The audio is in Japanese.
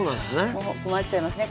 困っちゃいますね